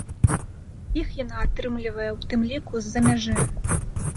Іх яна атрымлівае ў тым ліку з-за мяжы.